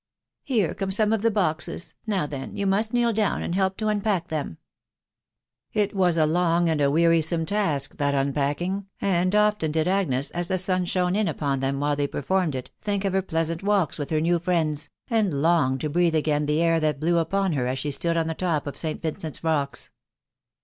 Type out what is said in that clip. Here come some of the boxes* .. now then, yon must kneel down and neb) tar unpmckthsmJ' k 4 1 156 TUB WIDOW BABNABT. It was a long and a wearisome task that unpacking, and often did Agnes, as the sun shone in upon them while they per formed it, think of her pleasant walks with her new friends, and long to breathe again the air that blew upon her as the stood on the top of St. Vincent's rocks.